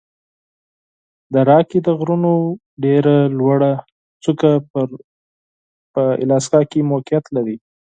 د راکي د غرونو ډېره لوړه څوکه په الاسکا کې موقعیت لري.